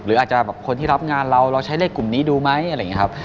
อาจจะแบบคนที่รับงานเราเราใช้เลขกลุ่มนี้ดูไหมอะไรอย่างนี้ครับ